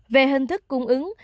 về hình thức cung ứng